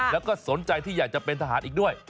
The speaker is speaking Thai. แล้วก็สนใจที่อยากจะเป็นทหารอีกด้วย